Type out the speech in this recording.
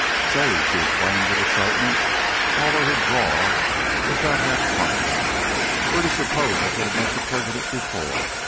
"Say!" she exclaimed with excitement, although her drawl was but half conquered. "Where do you s'pose I could have met the President before?